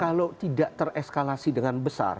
kalau tidak tereskalasi dengan besar